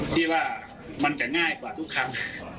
ที่ว่ามันจะง่ายกว่าทุกครั้ง